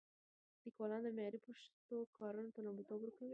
لیکوالان دې د معیاري پښتو کارونو ته لومړیتوب ورکړي.